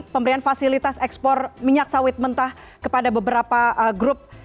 pemberian fasilitas ekspor minyak sawit mentah kepada beberapa grup